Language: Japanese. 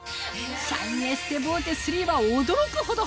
シャインエステボーテ３は驚くほど